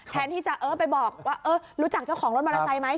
แทนที่จะเออไปบอกว่ารู้จักเจ้าของรถมอเตอร์ไซค์ไหม